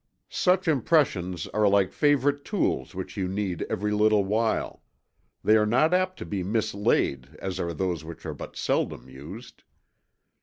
Such impressions are like favorite tools which you need every little while they are not apt to be mislaid as are those which are but seldom used.